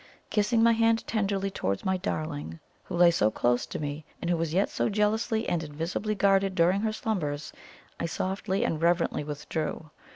Kissing my hand tenderly towards my darling, who lay so close to me, and who was yet so jealously and invisibly guarded during her slumbers, I softly and reverently withdrew.